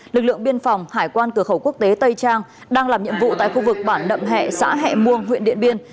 lực lượng biên phòng hải quan cửa khẩu quốc tế tây trang đang làm nhiệm vụ tại khu vực bản nậm hẹ xã hẹ muông huyện điện biên